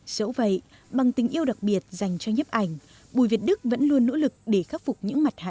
dẫu vậy bằng tình yêu đặc biệt dành cho nhiếp ảnh bùi việt đức vẫn luôn nỗ lực để khắc phục những mặt hạn chế ấy